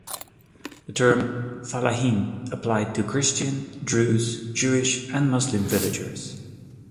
The term "fallahin" applied to Christian, Druze, Jewish and Muslim villagers.